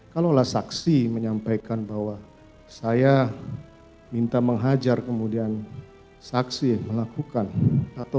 kalaulah saksi menyampaikan bahwa saya minta menghajar kemudian saksi melakukan atau